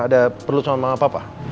ada perlu soal apa apa pak